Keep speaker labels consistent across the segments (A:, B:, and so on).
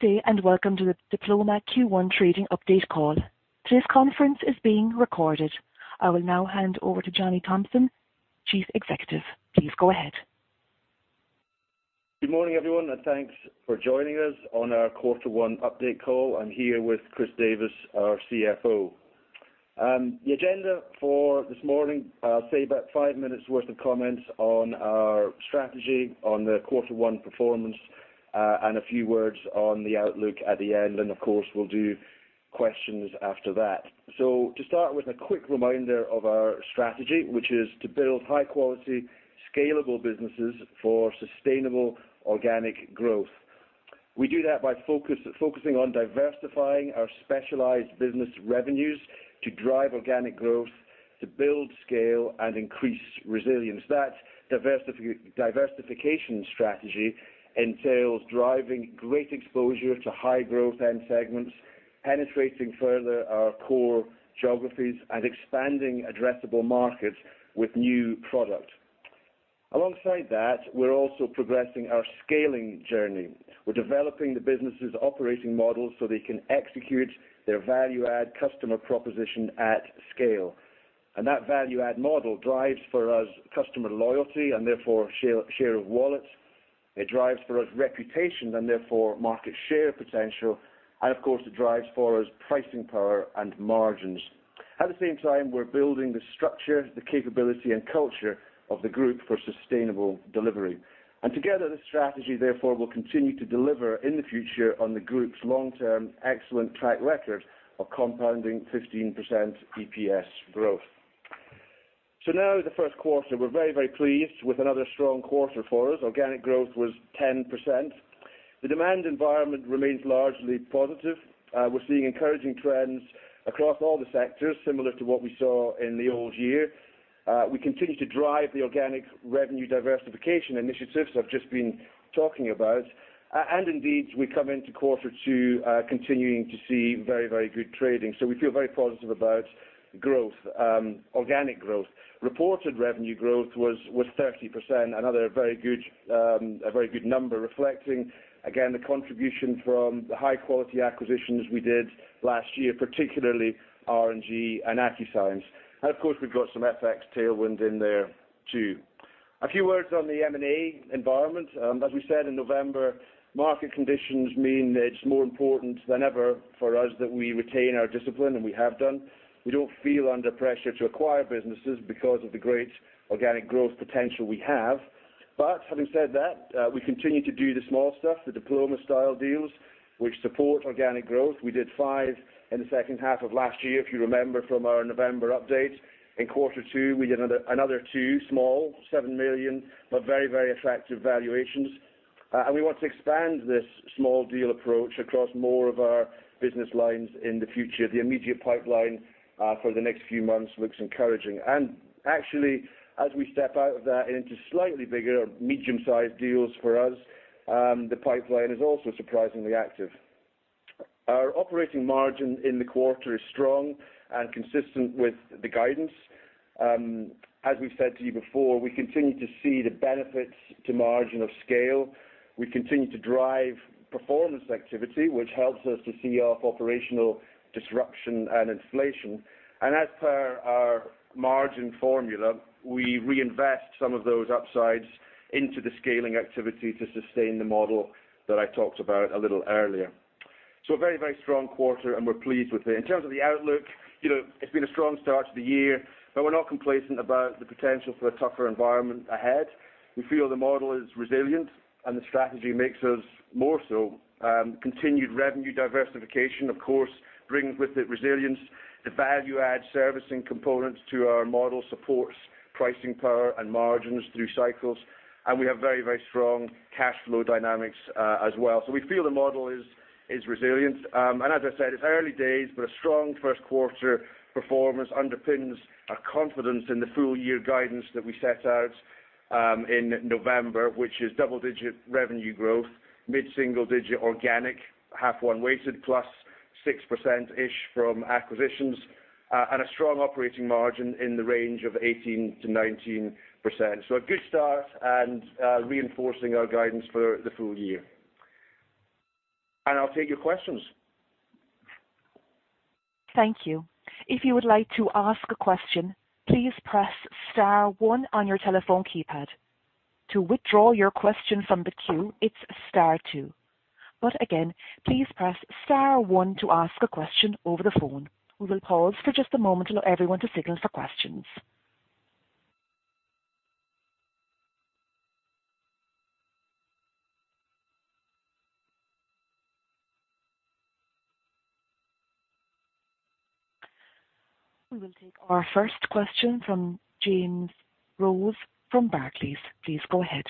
A: Good day, and welcome to the Diploma Q1 trading update call. Today's conference is being recorded. I will now hand over to Johnny Thomson, Chief Executive. Please go ahead.
B: Good morning, everyone, thanks for joining us on our quarter one update call. I'm here with Chris Davies, our CFO. The agenda for this morning, I'll say about five minutes worth of comments on our strategy on the quarter one performance, a few words on the outlook at the end, of course, we'll do questions after that. To start with a quick reminder of our strategy, which is to build high quality, scalable businesses for sustainable organic growth. We do that by focusing on diversifying our specialized business revenues to drive organic growth, to build scale and increase resilience. That diversification strategy entails driving great exposure to high growth end segments, penetrating further our core geographies, and expanding addressable markets with new product. Alongside that, we're also progressing our scaling journey. We're developing the business's operating models so they can execute their value add customer proposition at scale. That value add model drives for us customer loyalty, and therefore share of wallet. It drives for us reputation and therefore market share potential, and of course it drives for us pricing power and margins. At the same time, we're building the structure, the capability and culture of the group for sustainable delivery. Together, the strategy therefore will continue to deliver in the future on the group's long-term excellent track record of compounding 15% EPS growth. Now the first quarter. We're very pleased with another strong quarter for us. Organic growth was 10%. The demand environment remains largely positive. We're seeing encouraging trends across all the sectors, similar to what we saw in the old year. We continue to drive the organic revenue diversification initiatives I've just been talking about. We come into quarter two, continuing to see very, very good trading. We feel very positive about growth, organic growth. Reported revenue growth was 30%. Another very good, a very good number reflecting, again, the contribution from the high quality acquisitions we did last year, particularly R&G and Accuscience. We've got some FX tailwind in there too. A few words on the M&A environment. As we said in November, market conditions mean it's more important than ever for us that we retain our discipline, and we have done. We don't feel under pressure to acquire businesses because of the great organic growth potential we have. Having said that, we continue to do the small stuff, the Diploma style deals which support organic growth. We did 5 in the second half of last year, if you remember from our November update. In quarter two, we did two small, 7 million, but very, very attractive valuations. We want to expand this small deal approach across more of our business lines in the future. The immediate pipeline for the next few months looks encouraging. Actually, as we step out of that and into slightly bigger medium-sized deals for us, the pipeline is also surprisingly active. Our operating margin in the quarter is strong and consistent with the guidance. As we've said to you before, we continue to see the benefits to margin of scale. We continue to drive performance activity, which helps us to see off operational disruption and inflation. As per our margin formula, we reinvest some of those upsides into the scaling activity to sustain the model that I talked about a little earlier.A very strong quarter, and we're pleased with it. In terms of the outlook, you know, it's been a strong start to the year, but we're not complacent about the potential for a tougher environment ahead. We feel the model is resilient, and the strategy makes us more so. Continued revenue diversification, of course, brings with it resilience. The value add servicing components to our model supports pricing power and margins through cycles. We have very strong cash flow dynamics as well. We feel the model is resilient. As I said, it's early days, but a strong first quarter performance underpins our confidence in the full year guidance that we set out in November, which is double-digit revenue growth, mid-single digit organic, half 1 weighted +6%-ish from acquisitions, and a strong operating margin in the range of 18%-19%. A good start and reinforcing our guidance for the full year. I'll take your questions.
A: Thank you. If you would like to ask a question, please press star one on your telephone keypad. To withdraw your question from the queue, it's star two. Again, please press star one to ask a question over the phone. We will pause for just a moment to allow everyone to signal for questions. We will take our first question from James Rose from Barclays. Please go ahead.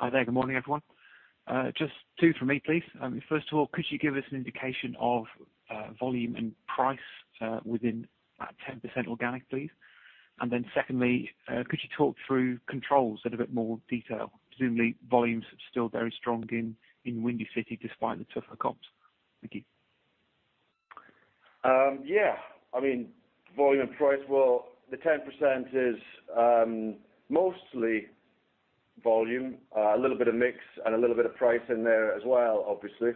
C: Hi there. Good morning, everyone. Just two for me, please. First of all, could you give us an indication of volume and price within that 10% organic, please? Secondly, could you talk through Controls in a bit more detail? Presumably, volume's still very strong in Windy City despite the tougher comps. Thank you.
B: Volume and price. Well, the 10% is mostly volume, a little bit of mix and a little bit of price in there as well, obviously.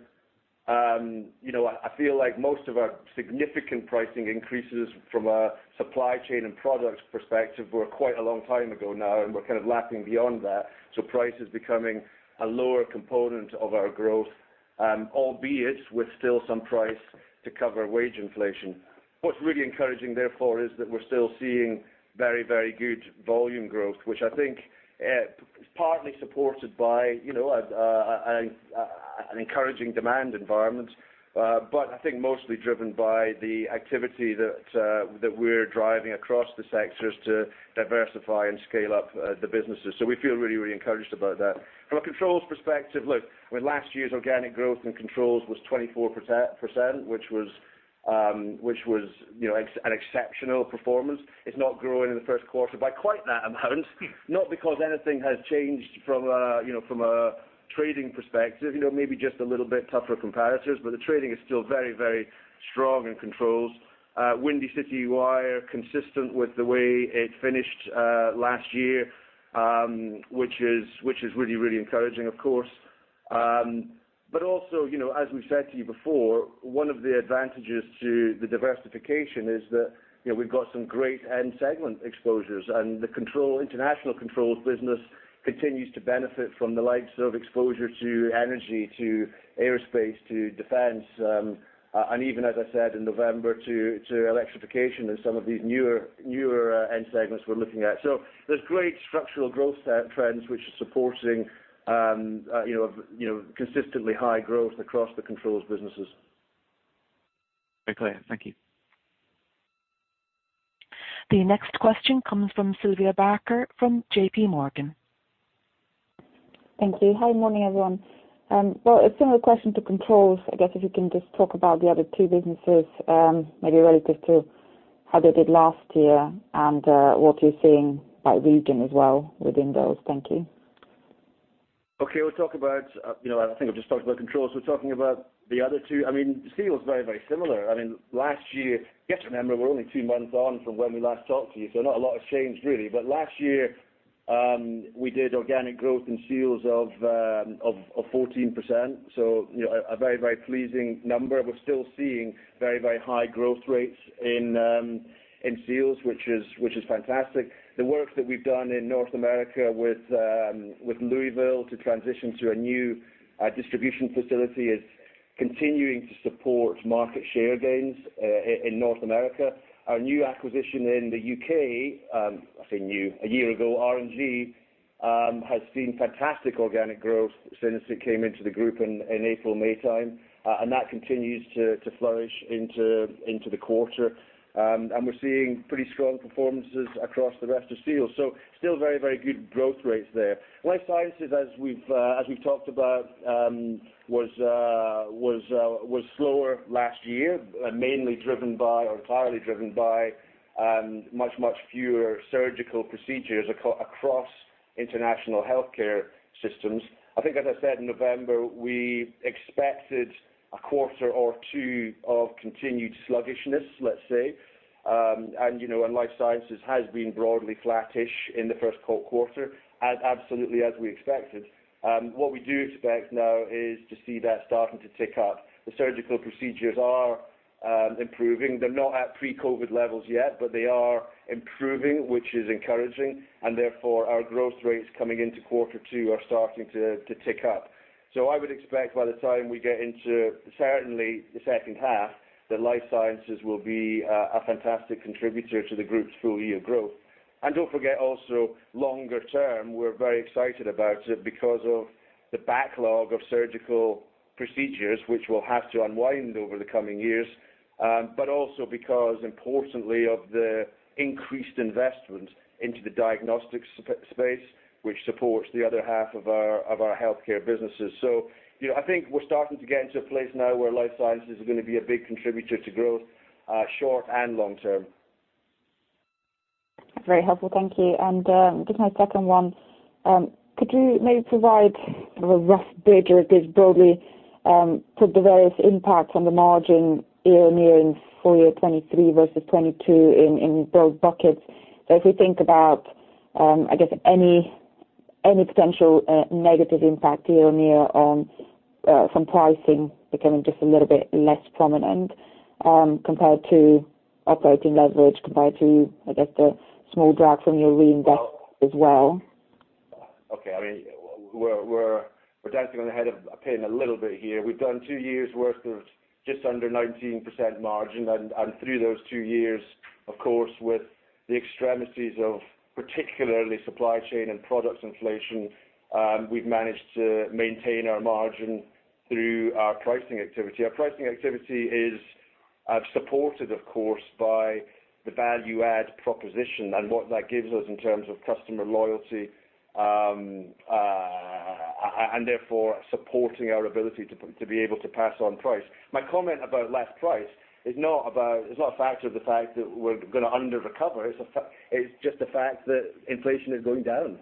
B: I feel like most of our significant pricing increases from a supply chain and products perspective were quite a long time ago now, and we're kind of lapping beyond that. Price is becoming a lower component of our growth, albeit with still some price to cover wage inflation. What's really encouraging therefore is that we're still seeing very, very good volume growth, which I think is partly supported by an encouraging demand environment. But I think mostly driven by the activity that we're driving across the sectors to diversify and scale up the businesses. We feel really, really encouraged about that. From a Controls perspective, look, I mean, last year's organic growth in Controls was 24%, which was, you know, an exceptional performance. It's not growing in the first quarter by quite that amount, not because anything has changed from a, you know, from a trading perspective, you know, maybe just a little bit tougher comparators. The trading is still very, very strong in Controls. Windy City Wire, consistent with the way it finished last year, which is really, really encouraging, of course. Also, you know, as we've said to you before, one of the advantages to the diversification is that, you know, we've got some great end segment exposures. The international Controls business continues to benefit from the likes of exposure to energy, to aerospace, to defense, and even, as I said, in November, to electrification and some of these newer, end segments we're looking at. There's great structural growth trends which are supporting, you know, consistently high growth across the Controls businesses.
C: Very clear. Thank you.
A: The next question comes from Sylvia Barker from J.P. Morgan.
D: Thank you. Hi, morning, everyone. A similar question to Controls. I guess if you can just talk about the other two businesses, maybe relative to how they did last year and what you're seeing by region as well within those. Thank you.
B: Okay. We'll talk about, you know, I think I've just talked about Controls. We're talking about the other two. I mean, Seals, very, very similar. I mean, last year, you have to remember we're only two months on from when we last talked to you, so not a lot has changed really. Last year, we did organic growth in Seals of 14%, so, you know, a very, very pleasing number. We're still seeing very, very high growth rates in Seals, which is fantastic. The work that we've done in North America with Louisville to transition to a new distribution facility is continuing to support market share gains in North America. Our new acquisition in the U.K., I say new, a year ago, R&G, has seen fantastic organic growth since it came into the group in April-May time, that continues to flourish into the quarter. We're seeing pretty strong performances across the rest of Seals. Still very good growth rates there. Life Sciences, as we've as we've talked about, was slower last year, mainly driven by or entirely driven by much fewer surgical procedures across international healthcare systems. I think, as I said in November, we expected a quarter or two of continued sluggishness, let's say. You know, Life Sciences has been broadly flattish in the first quarter, as absolutely as we expected. What we do expect now is to see that starting to tick up. The surgical procedures are improving. They're not at pre-COVID levels yet, but they are improving, which is encouraging. Therefore, our growth rates coming into quarter two are starting to tick up. I would expect by the time we get into certainly the second half, that Life Sciences will be a fantastic contributor to the group's full-year growth. Don't forget also, longer term, we're very excited about it because of the backlog of surgical procedures, which we'll have to unwind over the coming years. But also because importantly of the increased investment into the diagnostics space, which supports the other half of our, of our healthcare businesses. You know, I think we're starting to get into a place now where Life Sciences is gonna be a big contributor to growth, short and long term.
D: Very helpful, thank you. Just my second one, could you maybe provide a rough picture, I guess, broadly, for the various impacts on the margin year-on-year in full year 2023 versus 2022 in those buckets, if we think about, I guess, any potential negative impact year-on-year from pricing becoming just a little bit less prominent, compared to operating leverage, compared to, I guess, the small drag from your reinvest as well?
B: Well, okay. I mean, we're dancing on the head of a pin a little bit here. We've done two years' worth of just under 19% margin. Through those two years, of course, with the extremities of particularly supply chain and products inflation, we've managed to maintain our margin through our pricing activity. Our pricing activity is supported, of course, by the value add proposition and what that gives us in terms of customer loyalty, therefore supporting our ability to be able to pass on price. My comment about less price is not a factor of the fact that we're gonna under recover. It's just the fact that inflation is going down.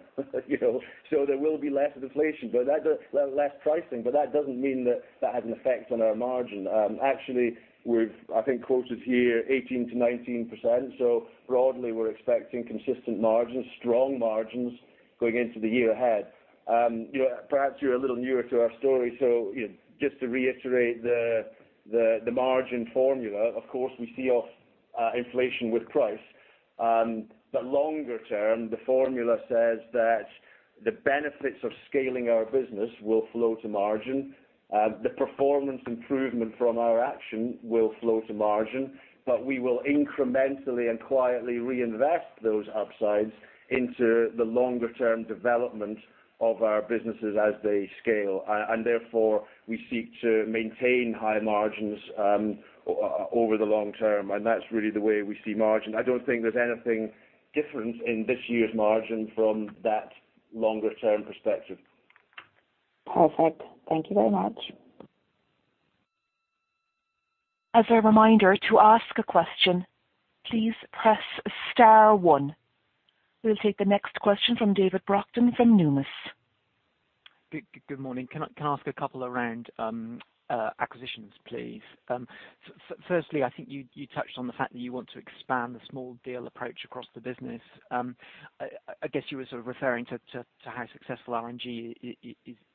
B: You know. There will be less inflation, but that does. Less pricing, but that doesn't mean that that has an effect on our margin. Actually, we've, I think, quoted here 18%-19%, so broadly, we're expecting consistent margins, strong margins going into the year ahead. You know, perhaps you're a little newer to our story, so, you know, just to reiterate the margin formula, of course, we see off inflation with price. But longer term, the formula says that the benefits of scaling our business will flow to margin. The performance improvement from our action will flow to margin, but we will incrementally and quietly reinvest those upsides into the longer term development of our businesses as they scale. And therefore, we seek to maintain high margins over the long term. And that's really the way we see margin. I don't think there's anything different in this year's margin from that longer term perspective.
D: Perfect. Thank you very much.
A: As a reminder, to ask a question, please press star one. We'll take the next question from David Brockton from Numis.
E: Good morning. Can I ask a couple around acquisitions, please? Firstly, I think you touched on the fact that you want to expand the small deal approach across the business. I guess you were sort of referring to how successful R&G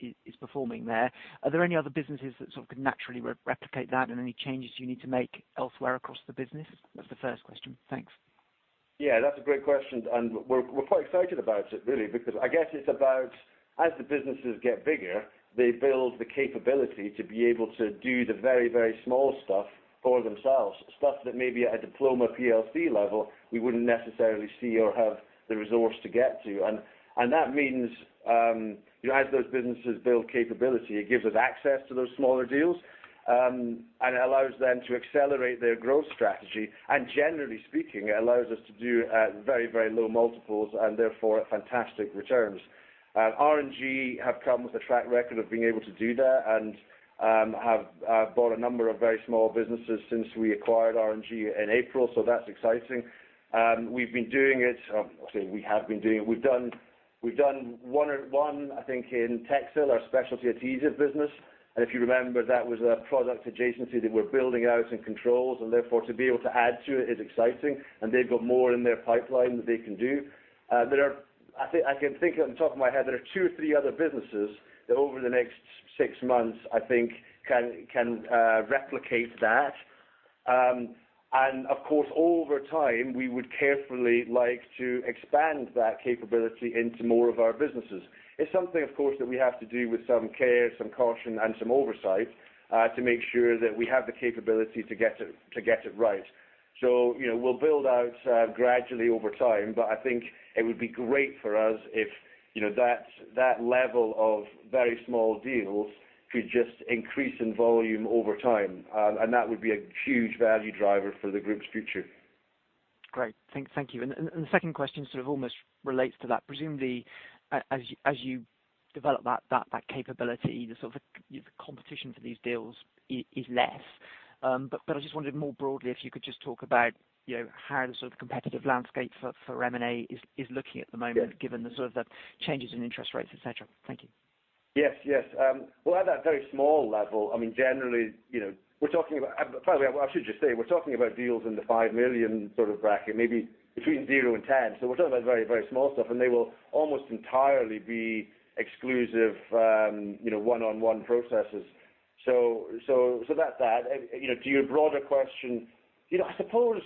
E: is performing there. Are there any other businesses that sort of could naturally replicate that and any changes you need to make elsewhere across the business? That's the first question. Thanks.
B: Yeah, that's a great question, and we're quite excited about it really, because I guess it's about as the businesses get bigger, they build the capability to be able to do the very, very small stuff for themselves, stuff that may be at a Diploma PLC level, we wouldn't necessarily see or have the resource to get to. That means, as those businesses build capability, it gives us access to those smaller deals, and allows them to accelerate their growth strategy. Generally speaking, it allows us to do at very, very low multiples and therefore, fantastic returns. RNG have come with a track record of being able to do that and have bought a number of very small businesses since we acquired RNG in April, so that's exciting. We've been doing it, or say we have been doing it. We've done one, I think, in TECHSiL, our specialty adhesive business. If you remember, that was a product adjacency that we're building out in Controls, and therefore, to be able to add to it is exciting. They've got more in their pipeline that they can do. There are, I think, I can think of the top of my head, there are two or three other businesses that over the next six months, I think can replicate that. Of course, over time, we would carefully like to expand that capability into more of our businesses. It's something, of course, that we have to do with some care, some caution, and some oversight to make sure that we have the capability to get it right. you know, we'll build out gradually over time, but I think it would be great for us if, you know, that level of very small deals could just increase in volume over time. That would be a huge value driver for the group's future.
E: Great. Thank you. The second question sort of almost relates to that. Presumably, as you develop that capability, the sort of competition for these deals is less. But I just wondered more broadly, if you could just talk about, you know, how the sort of competitive landscape for M&A is looking at the moment...
B: Yeah.
E: given the sort of the changes in interest rates, et cetera. Thank you.
B: Yes, yes. Well, at that very small level, I mean, generally, you know, we're talking about deals in the 5 million sort of bracket, maybe between 0 and 10. We're talking about very, very small stuff, and they will almost entirely be exclusive, you know, one-on-one processes. That's that. You know, to your broader question, you know, I suppose,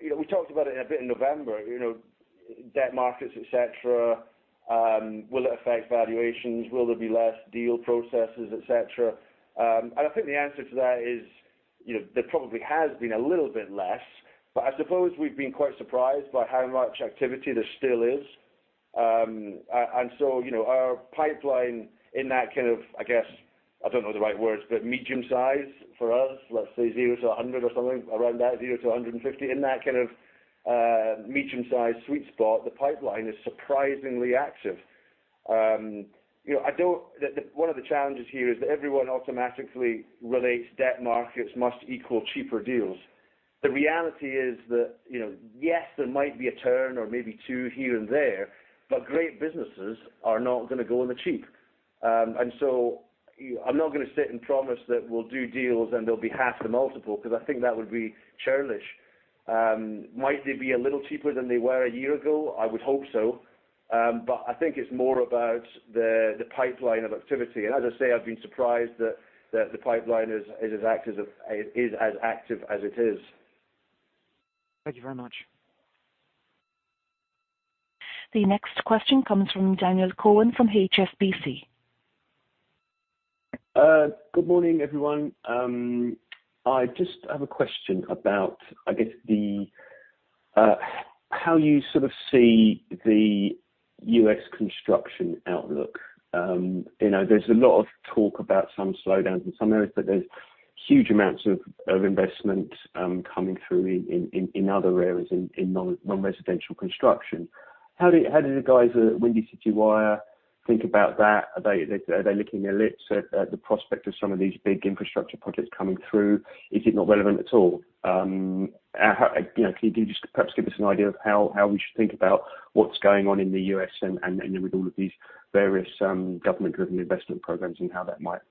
B: you know, we talked about it a bit in November, you know, debt markets, et cetera. Will it affect valuations? Will there be less deal processes, et cetera? I think the answer to that is, you know, there probably has been a little bit less, but I suppose we've been quite surprised by how much activity there still is. You know, our pipeline in that kind of, I guess, I don't know the right words, but medium-size for us, let's say 0-100 million or something around that, 0-150 million. In that kind of medium-size sweet spot, the pipeline is surprisingly active. You know, one of the challenges here is that everyone automatically relates debt markets must equal cheaper deals. The reality is that, you know, yes, there might be a turn or maybe two here and there, but great businesses are not gonna go on the cheap. I'm not gonna sit and promise that we'll do deals, and they'll be half the multiple because I think that would be churlish. Might they be a little cheaper than they were a year ago? I would hope so. I think it's more about the pipeline of activity. As I say, I've been surprised that the pipeline is as active as it is.
E: Thank you very much.
A: The next question comes from Daniel Cowan from HSBC.
F: Good morning, everyone. I just have a question about, I guess, the how you sort of see the U.S. construction outlook. You know, there's a lot of talk about some slowdowns in some areas, but there's huge amounts of investment coming through in, in other areas in non-non-residential construction. How do the guys at Windy City Wire think about that? Are they licking their lips at the prospect of some of these big infrastructure projects coming through? Is it not relevant at all? You know, could you just perhaps give us an idea of how we should think about what's going on in the U.S. and with all of these various government-driven investment programs and how that might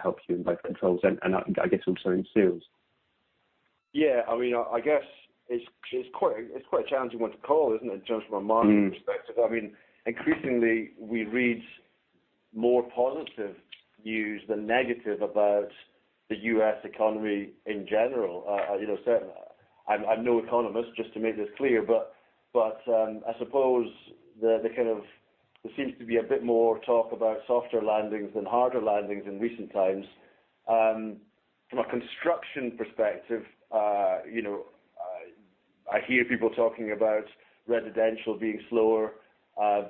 F: help you in both Controls and I guess also in Seals?
B: Yeah. I mean, I guess it's quite a challenging one to call, isn't it, just from a market perspective.
F: Mm.
B: I mean, increasingly, we read more positive news than negative about the U.S. economy in general. You know, I'm no economist, just to make this clear, but I suppose the kind of There seems to be a bit more talk about softer landings than harder landings in recent times. From a construction perspective, you know, I hear people talking about residential being slower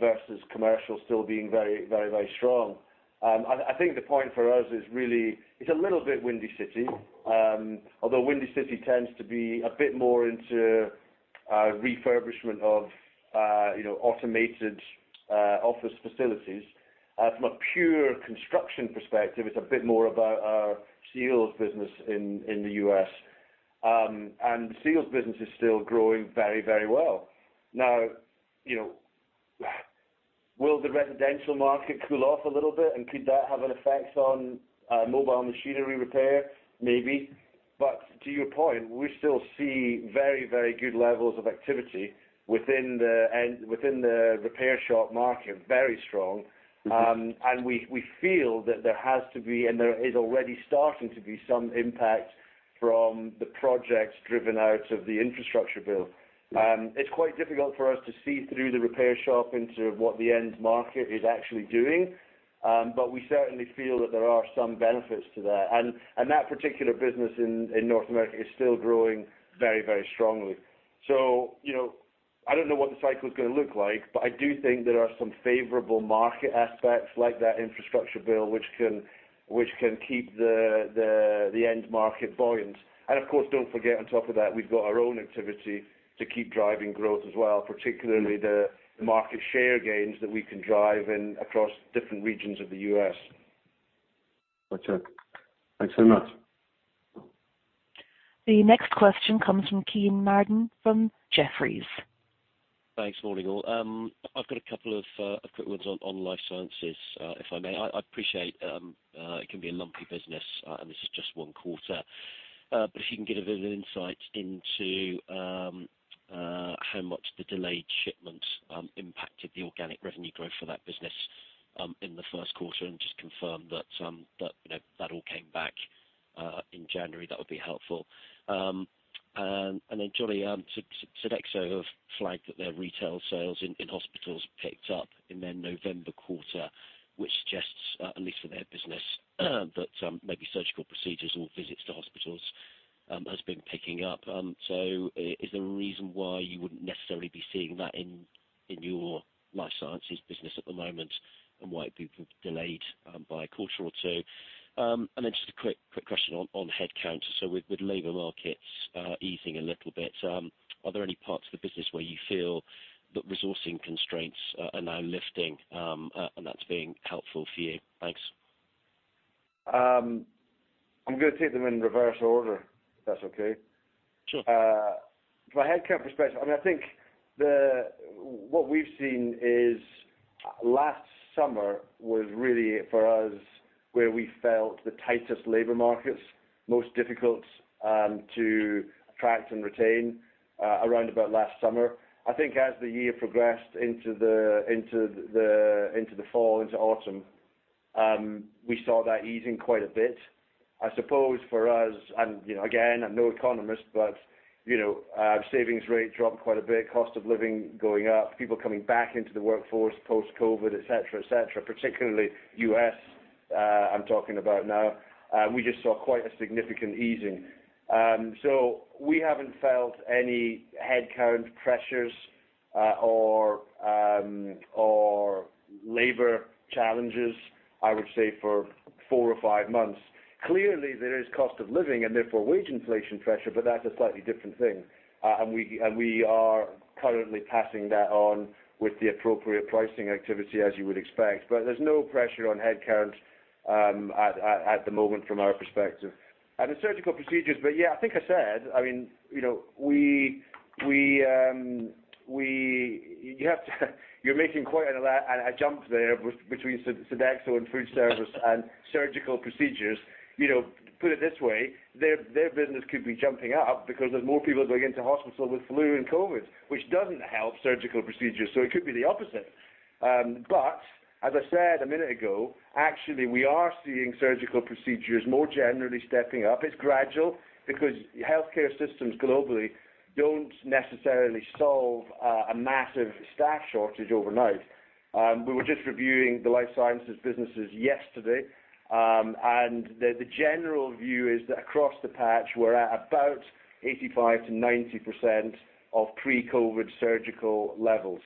B: versus commercial still being very, very, very strong. I think the point for us is really, it's a little bit Windy City. Although Windy City tends to be a bit more into refurbishment of, you know, automated office facilities. From a pure construction perspective, it's a bit more about our Seals business in the U.S. The Seals business is still growing very, very well. You know, will the residential market cool off a little bit, and could that have an effect on mobile machinery repair? Maybe. To your point, we still see very, very good levels of activity within the repair shop market, very strong.
F: Mm-hmm.
B: We feel that there has to be, and there is already starting to be some impact from the projects driven out of the Infrastructure Bill. It's quite difficult for us to see through the repair shop into what the end market is actually doing. We certainly feel that there are some benefits to that. That particular business in North America is still growing very, very strongly. You know, I don't know what the cycle is gonna look like, but I do think there are some favorable market aspects like that Infrastructure Bill, which can keep the end market buoyant. Don't forget, on top of that, we've got our own activity to keep driving growth as well, particularly the market share gains that we can drive in across different regions of the U.S.
F: Gotcha. Thanks so much.
A: The next question comes from Kean Marden from Jefferies.
G: Thanks. Morning, all. I've got a couple of quick ones on Life Sciences, if I may. I appreciate it can be a lumpy business, and this is just one quarter. If you can give a bit of insight into how much the delayed shipments impacted the organic revenue growth for that business in the first quarter and just confirm that, you know, that all came back in January, that would be helpful. Johnny, Sodexo have flagged that their retail sales in hospitals picked up in their November quarter, which suggests at least for their business that maybe surgical procedures or visits to hospitals has been picking up. Is there a reason why you wouldn't necessarily be seeing that in your Life Sciences business at the moment, and why it may be delayed by a quarter or two? Then just a quick question on headcount. With labor markets easing a little bit, are there any parts of the business where you feel that resourcing constraints are now lifting, and that's being helpful for you? Thanks.
B: I'm gonna take them in reverse order, if that's okay.
G: Sure.
B: From a headcount perspective, I mean, I think what we've seen is last summer was really for us, where we felt the tightest labor markets, most difficult to attract and retain, around about last summer. I think as the year progressed into the fall, into autumn, we saw that easing quite a bit. I suppose for us, and, you know, again, I'm no economist, but, you know, savings rate dropped quite a bit, cost of living going up, people coming back into the workforce post-COVID, et cetera, et cetera, particularly U.S., I'm talking about now. We just saw quite a significant easing. We haven't felt any headcount pressures, or labor challenges, I would say, for four or five months. Clearly, there is cost of living and therefore wage inflation pressure, but that's a slightly different thing. We are currently passing that on with the appropriate pricing activity as you would expect. There's no pressure on headcount at the moment from our perspective. The surgical procedures, but yeah, I think I said, I mean, you know, you're making quite a jump there between Sodexo and food service and surgical procedures. You know, put it this way, their business could be jumping up because there's more people going into hospital with flu and COVID, which doesn't help surgical procedures. It could be the opposite. As I said a minute ago, actually, we are seeing surgical procedures more generally stepping up. It's gradual because healthcare systems globally don't necessarily solve a massive staff shortage overnight. We were just reviewing the Life Sciences businesses yesterday, and the general view is that across the patch, we're at about 85%-90% of pre-COVID surgical levels.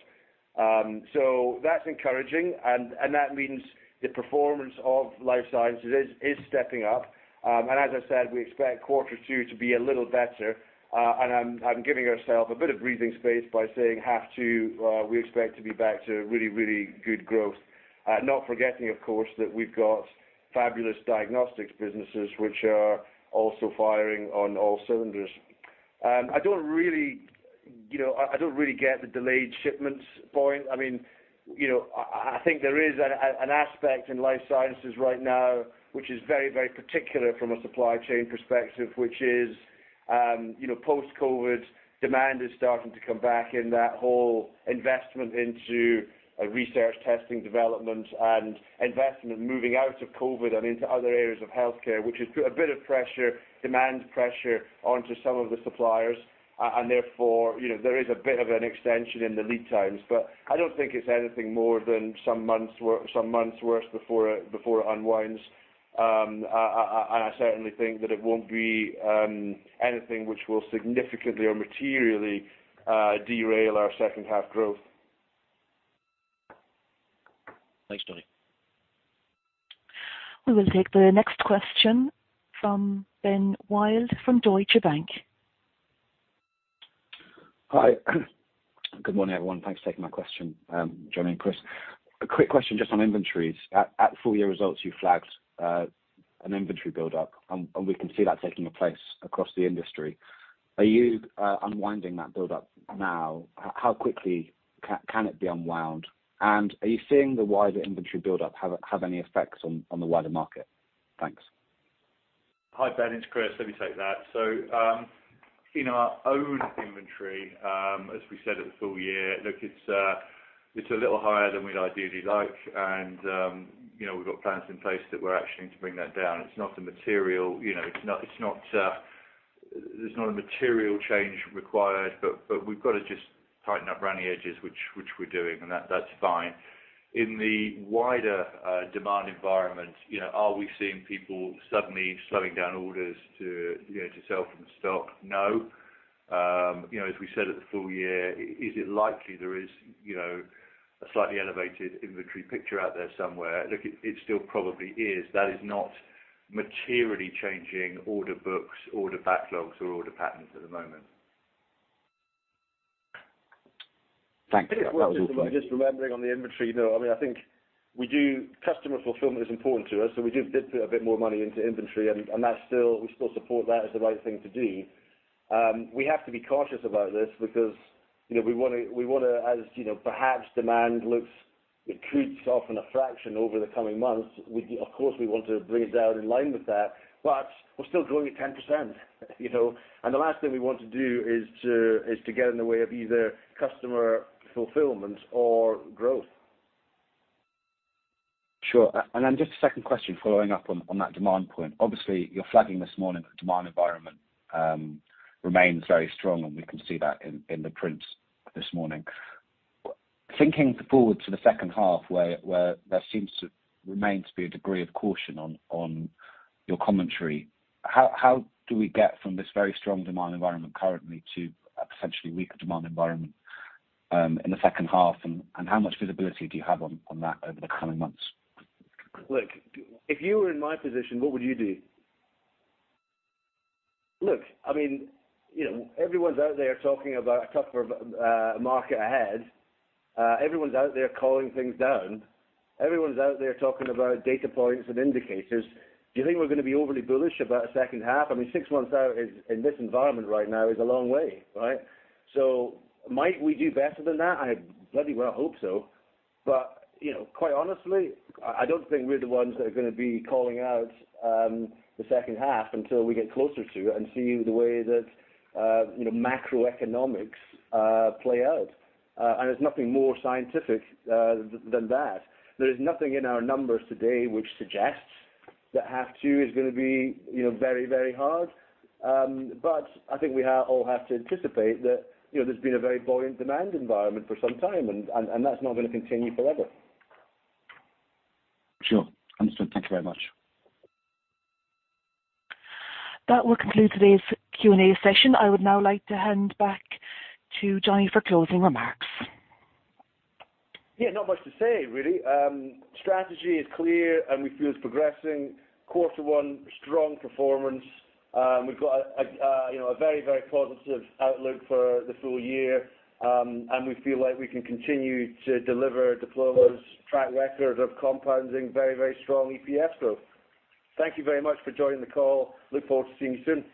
B: That's encouraging. That means the performance of Life Sciences is stepping up. As I said, we expect quarter two to be a little better. I'm giving ourself a bit of breathing space by saying half two, we expect to be back to really good growth. Not forgetting, of course, that we've got fabulous diagnostics businesses which are also firing on all cylinders. I don't really, you know, I don't really get the delayed shipments point. I mean, you know, I think there is an aspect in Life Sciences right now, which is very, very particular from a supply chain perspective, which is, you know, post-COVID, demand is starting to come back and that whole investment into research, testing, development and investment moving out of COVID and into other areas of healthcare, which has put a bit of pressure, demand pressure onto some of the suppliers. Therefore, you know, there is a bit of an extension in the lead times. I don't think it's anything more than some months worth, some months worse before it, before it unwinds. I certainly think that it won't be anything which will significantly or materially derail our second half growth.
G: Thanks, Johnny.
A: We will take the next question from Ben Ward from Deutsche Bank.
H: Hi. Good morning, everyone. Thanks for taking my question, Johnny and Chris. A quick question just on inventories. At full year results, you flagged an inventory buildup and we can see that taking place across the industry. Are you unwinding that buildup now? How quickly can it be unwound? Are you seeing the wider inventory buildup have any effects on the wider market? Thanks.
B: Hi, Ben, it's Chris. Let me take that. In our own inventory, as we said at the full year, look, it's a little higher than we'd ideally like. You know, we've got plans in place that we're actioning to bring that down. There's not a material change required, but we've got to just tighten up around the edges, which we're doing, and that's fine. In the wider demand environment, you know, are we seeing people suddenly slowing down orders to, you know, to sell from stock? No. You know, as we said at the full year, is it likely there is, you know, a slightly elevated inventory picture out there somewhere? Look, it still probably is. That is not materially changing order books, order backlogs or order patterns at the moment.
H: Thanks. That was all for me.
B: Just remembering on the inventory, you know, I mean, I think we do customer fulfillment is important to us, so we do put a bit more money into inventory, and that's still, we still support that as the right thing to do. We have to be cautious about this because, you know, we wanna as, you know, perhaps demand looks it creeps off in a fraction over the coming months, we, of course, we want to bring it down in line with that. We're still growing at 10%, you know. The last thing we want to do is to get in the way of either customer fulfillment or growth.
H: Sure. Just a second question following up on that demand point. Obviously, you're flagging this morning that the demand environment remains very strong, and we can see that in the prints this morning. Thinking forward to the second half, where there seems to remain to be a degree of caution on your commentary, how do we get from this very strong demand environment currently to a potentially weaker demand environment in the second half, and how much visibility do you have on that over the coming months?
B: Look, if you were in my position, what would you do? Look, I mean, you know, everyone's out there talking about a tougher market ahead. Everyone's out there calling things down. Everyone's out there talking about data points and indicators. Do you think we're gonna be overly bullish about a second half? I mean, six months out is, in this environment right now is a long way, right? Might we do better than that? I bloody well hope so. You know, quite honestly, I don't think we're the ones that are gonna be calling out the second half until we get closer to and see the way that, you know, macroeconomics play out. There's nothing more scientific than that. There is nothing in our numbers today which suggests that half 2 is gonna be, you know, very, very hard. I think we all have to anticipate that, you know, there's been a very buoyant demand environment for some time, and that's not gonna continue forever.
H: Sure. Understood. Thank you very much.
A: That will conclude today's Q&A session. I would now like to hand back to Johnny for closing remarks.
B: Yeah, not much to say, really. Strategy is clear, we feel it's progressing. Quarter one, strong performance. We've got a, you know, a very, very positive outlook for the full year. We feel like we can continue to deliver Diploma's track record of compounding very, very strong EPS growth. Thank you very much for joining the call. Look forward to seeing you soon.